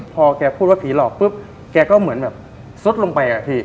พอแกพูดว่าผีหลอกปุ๊บแกก็เหมือนแบบซุดลงไปอะพี่